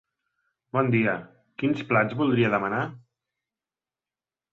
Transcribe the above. Bon dia, quins plats voldria demanar?